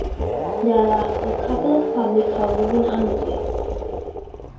There are a couple of public houses in Undercliffe.